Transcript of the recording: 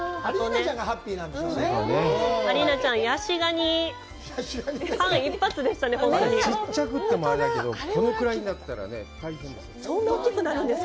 ちっちゃくてもあれだけど、このくらいになったら大変だよ。